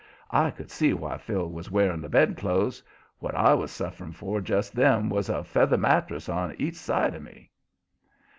I could see why Phil was wearing the bed clothes; what I was suffering for just then was a feather mattress on each side of me.